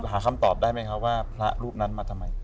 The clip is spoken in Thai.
หาคำตอบได้ไหมครับว่าพระรูปนั้นมาทำไม